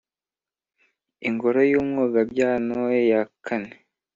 Ingoro y’Umwogabyano! Ya kane